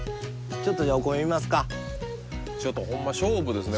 ちょっとじゃあちょっとホンマ勝負ですね